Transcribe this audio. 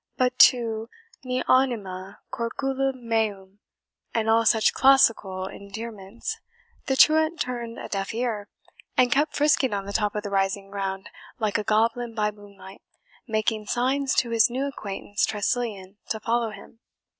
But to MI ANIME, CORCULUM MEUM, and all such classical endearments, the truant turned a deaf ear, and kept frisking on the top of the rising ground like a goblin by moonlight, making signs to his new acquaintance, Tressilian, to follow him.